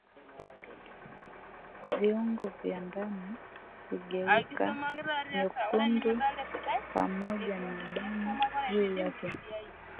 Viungo vya ndani kugeuka vyekundu pamoja na damu juu yake